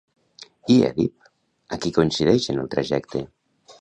I Èdip, amb qui coincideix en el trajecte?